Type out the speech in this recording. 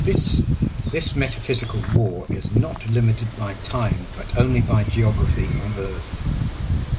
This metaphysical war is not limited by time but only by geography on Earth.